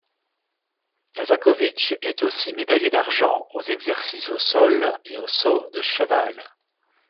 Lazakovitch est aussi médaillée d'argent aux exercices au sol et au saut de cheval.